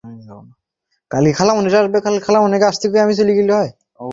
আমি তোমাদের সংস্থার সাথে যোগাযোগ করব।